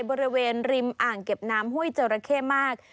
บริเวณริมอ่างเก็บน้ำห้วยจราเข้มาก